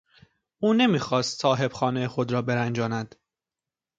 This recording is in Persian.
او نمیخواست صاحب خانه خود را برنجاند.